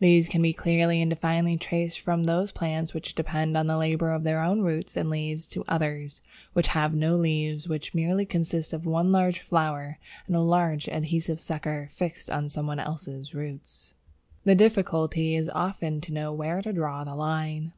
These can be clearly and definitely traced from those plants which depend on the labour of their own roots and leaves to others which have no leaves, and which consist merely of one large flower and a large adhesive sucker fixed on some one else's root. The difficulty is very often to know where to draw the line.